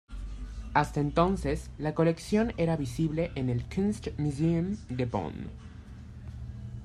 Hasta entonces, la colección era visible en el Kunstmuseum de Bonn.